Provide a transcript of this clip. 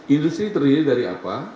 industri terdiri dari apa